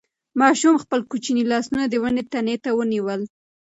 ماشوم خپل کوچني لاسونه د ونې تنې ته ونیول.